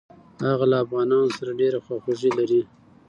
هغه له افغانانو سره ډېره خواخوږي لري.